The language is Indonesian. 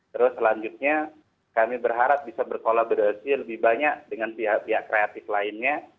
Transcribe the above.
terus selanjutnya kami berharap bisa berkolaborasi lebih banyak dengan pihak kreatif lainnya